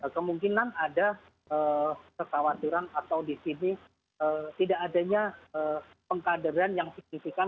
kemungkinan ada kekhawatiran atau di sini tidak adanya pengkaderan yang signifikan